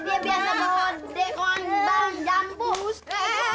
dia biasa bende on bal nyambut